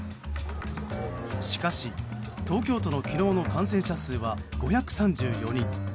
しかし、東京都の昨日の感染者数は５３４人。